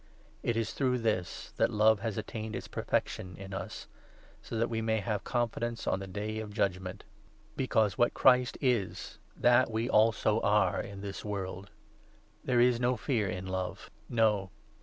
It is through this that love has attained 17 its perfection in us, so that we may have confidence on the Day of Judgement, because what Christ is that we also are in this R 482 I. JOHN, 4 5. world. There is no fear in love. No